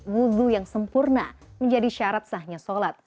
wudhu yang sempurna menjadi syarat sahnya sholat